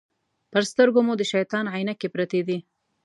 پر سترګو مو د شیطان عینکې پرتې دي.